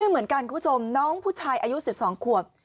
เหมือนกันคุณผู้ชมน้องผู้ชายอายุ๑๒ขวบ